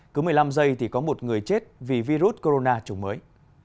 cứ một mươi năm giây thì có một người chết vì virus corona chủng mới